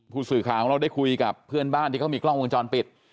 ผู้สื่อข่าวของเราได้คุยกับเพื่อนบ้านที่เขามีกล้องวงจรปิด